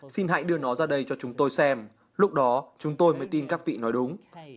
xin hãy đưa nó ra đây cho chúng tôi xem lúc đó chúng tôi mới tin các vị nói đúng